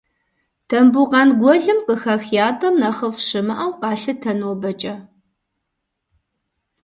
Тамбукъан гуэлым къыхах ятӏэм нэхъыфӏ щымыӏэу къалъытэ нобэкӏэ.